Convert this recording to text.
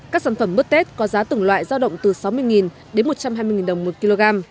các sản phẩm mứt tết có giá từng loại giao động từ sáu mươi đến một trăm hai mươi đồng một kg